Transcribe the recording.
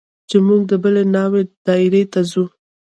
چې موږ د بلې ناوې دايرې ته ځو.